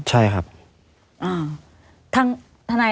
ไม่มีครับไม่มีครับ